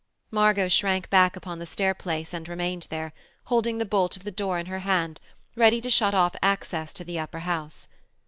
Margot shrank back upon the stair place and remained there, holding the bolt of the door in her hand, ready to shut off access to the upper house.